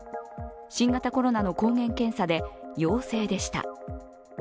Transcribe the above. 新型コロナの抗原検査で陽性でした。